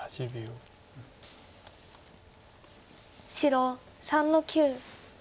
白３の九。